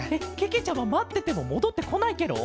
けけちゃままっててももどってこないケロ？